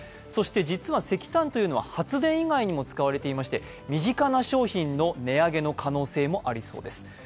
そして実は石炭というのは発電以外にも使われていまして身近な商品の値上げの可能性もありそうです。